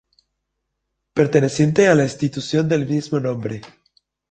Perteneciente a la institución del mismo nombre.